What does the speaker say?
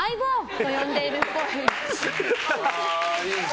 って呼んでいるっぽい。